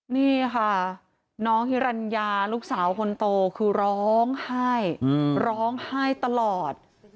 นี่ค่ะน้องฮิรัญญาลูกสาวคนโตคือร้องไห้ร้องไห้ตลอด